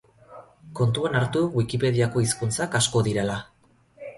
Kontuan hartu Wikipediako hizkuntzak asko direla.